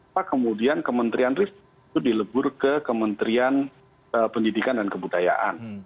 apa kemudian kementerian ristek itu dilebur ke kementerian pendidikan dan kebudayaan